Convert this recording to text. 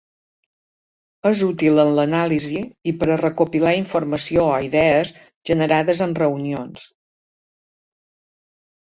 És útil en l'anàlisi i per a recopilar informació o idees generades en reunions.